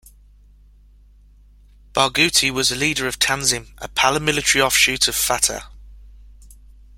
Barghouti was a leader of Tanzim, a paramilitary offshoot of Fatah.